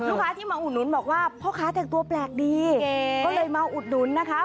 ลูกค้าที่มาอุดหนุนบอกว่าพ่อค้าแต่งตัวแปลกดีก็เลยมาอุดหนุนนะคะ